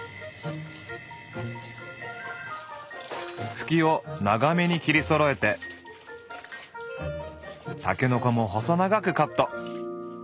ふきを長めに切りそろえてたけのこも細長くカット。